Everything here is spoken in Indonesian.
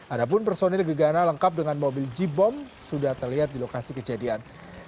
ada pun personil gegana lengkap dengan mobil jeep bom sudah terlihat di lokasi kejadian